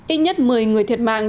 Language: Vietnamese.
ít nhất một mươi người thiệt mạng